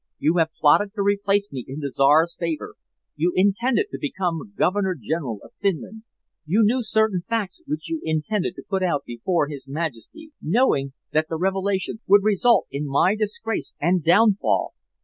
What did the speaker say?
You have plotted to replace me in the Czar's favor. You intended to become Governor General of Finland! You knew certain facts which you intended to put before his Majesty, knowing that the revelations would result in my disgrace and downfall.